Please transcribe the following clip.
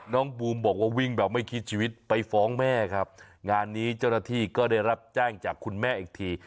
บูมบอกว่าวิ่งแบบไม่คิดชีวิตไปฟ้องแม่ครับงานนี้เจ้าหน้าที่ก็ได้รับแจ้งจากคุณแม่อีกที